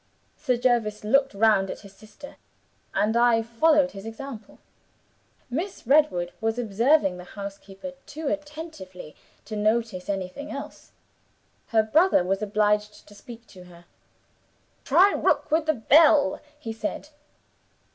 Sir Jervis looked round at his sister; and I followed his example. Miss Redwood was observing the housekeeper too attentively to notice anything else; her brother was obliged to speak to her. 'Try Rook with the bell,' he said.